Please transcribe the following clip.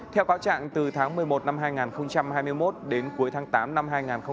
theo cáo trạng từ tháng một mươi một năm hai nghìn hai mươi một đến cuối tháng tám năm hai nghìn hai mươi ba